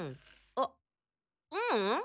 あっううん。